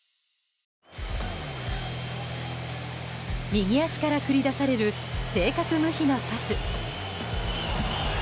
右足から繰り出される正確無比なパス。